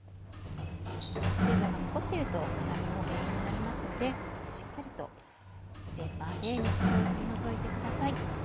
水分が残っていると臭みの原因になりますのでここでしっかりとペーパーで水気を取り除いてください。